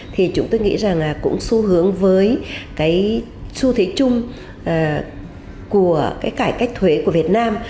thì chúng tôi nghĩ rằng cũng xu hướng với cái xu thế chung của cái cải cách thuế của việt nam